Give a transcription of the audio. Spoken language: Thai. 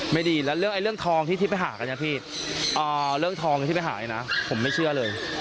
ไม่ดีแล้วเรื่องทองที่ไปหากันนะพี่เรื่องทองที่ไปหายนะผมไม่เชื่อเลย